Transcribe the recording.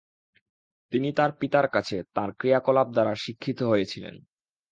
তিনি তার পিতার কাছে তাঁর ক্রিয়াকলাপ দ্বারা শিক্ষিত হয়েছিলেন।